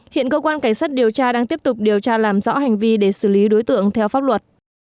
hiện cơ quan cảnh sát điều tra đang tiếp tục điều tra làm rõ hành vi để xử lý đối tượng theo pháp luật